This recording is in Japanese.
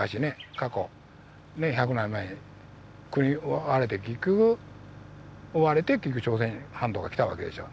過去ねっ百何年前に国追われて結局追われて結局朝鮮半島から来たわけでしょう